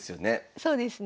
そうですね。